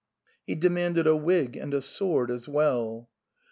He demanded a wig and a sword as well.